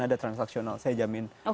ada transaksional saya jamin